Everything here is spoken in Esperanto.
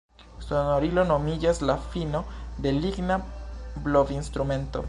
Sonorilo nomiĝas la fino de ligna blovinstrumento.